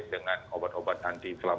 dengan obat obat anti kelam